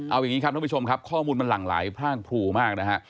เอาอย่างนี้ครับท่านผู้ชมครับข้อมูลมันหลั่งไหลพร่างพรูมากนะฮะ